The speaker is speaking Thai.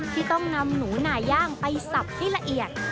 ที่ต้องนำหนูนาย่างไปสับให้ละเอียด